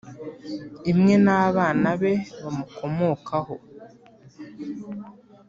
imwe, n’abana be bamukomokaho